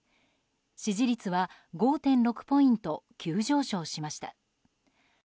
支持率は５．６ポイント急上昇しました。